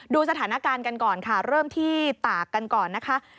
ดูสถานการณ์กันก่อนค่ะเริ่มที่ตากกันก่อนนะคะ